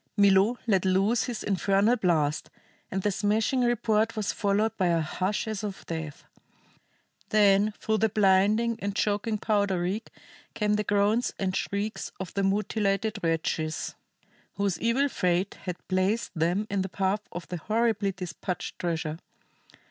Milo let loose his infernal blast, and the smashing report was followed by a hush as of death. Then through the blinding and choking powder reek came the groans and shrieks of the mutilated wretches whose evil fate had placed them in the path of the horribly despatched treasure.